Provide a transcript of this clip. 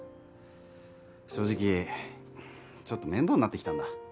正直ちょっと面倒になってきたんだ